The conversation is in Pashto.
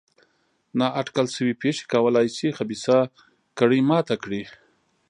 نا اټکل شوې پېښې کولای شي خبیثه کړۍ ماته کړي.